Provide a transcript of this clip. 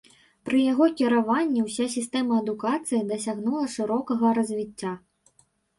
Пры яго кіраванні ўся сістэма адукацыі дасягнула шырокага развіцця.